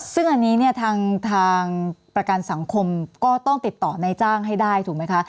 ซึ่งอันนี้เนี่ยทางประกันสังคมก็ต้องติดต่อในจ้างให้ได้ถูกไหมคะ